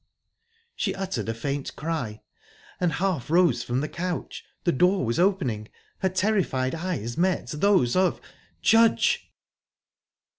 She uttered a faint cry, and half rose from the couch. The door was opening...Her terrified eyes met those of Judge!